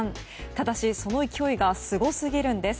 ただし、その勢いがすごすぎるんです。